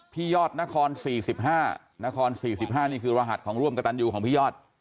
ยอดนคร๔๕นคร๔๕นี่คือรหัสของร่วมกระตันยูของพี่ยอด